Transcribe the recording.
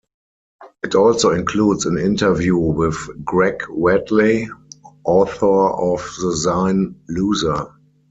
It also includes an interview with Greg Wadley, author of the zine "Loser".